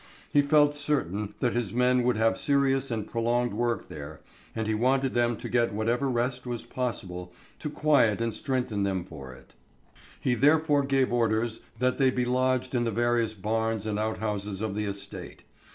He felt certain that his men would have serious and prolonged work there, and he wanted them to get whatever rest was possible, to quiet and strengthen them for it. He therefore gave orders that they be lodged in the various barns and outhouses of the estate.